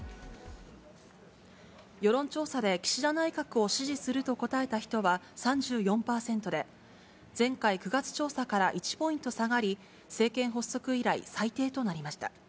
世論調査で岸田内閣を支持すると答えた人は３４％で、前回９月調査から１ポイント下がり、政権発足以来最低となりました。